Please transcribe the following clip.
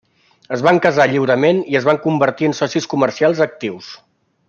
Es van casar lliurement i es van convertir en socis comercials actius.